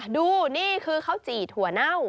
ดูนี่คือข้าวจี่ถั่วเน่า